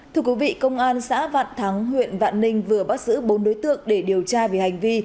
thưa quý vị công an xã vạn thắng huyện vạn ninh vừa bắt giữ bốn đối tượng để điều tra về hành vi